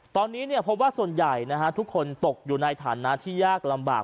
ตอนนี้พบว่าส่วนใหญ่ทุกคนตกอยู่ในฐานะที่ยากลำบาก